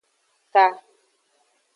Ka.